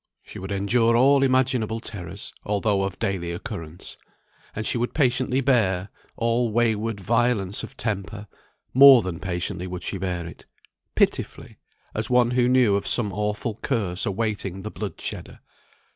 She would endure all imaginable terrors, although of daily occurrence. And she would patiently bear all wayward violence of temper; more than patiently would she bear it pitifully, as one who knew of some awful curse awaiting the blood shedder.